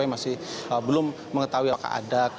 yang masih belum mengetahui apakah ada